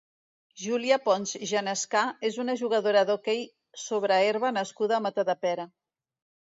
Júlia Pons Genescà és una jugadora d'hoquei sobre herba nascuda a Matadepera.